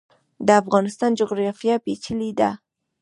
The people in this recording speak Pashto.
د افغانستان جغرافیا پیچلې ده